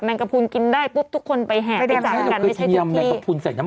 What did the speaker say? เหมือนก็เตี๋ยวเลือนนะ